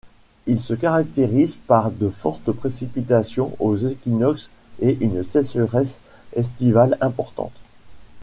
Il se caractérise par de fortes précipitations aux équinoxes et une sécheresse estivale importante.